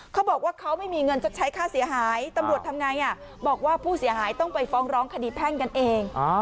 เขาบอกว่าเขาไม่มีเงินชดใช้ค่าเสียหายตำรวจทำไงบอกว่าผู้เสียหายต้องไปฟ้องร้องคดีแพ่งกันเอง